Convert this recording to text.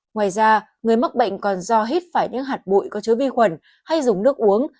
ngoài ra người mắc bệnh còn do hít phải những hạt bụi có chứa vi khuẩn hay dùng nước uống